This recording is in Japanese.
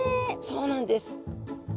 そうなんです。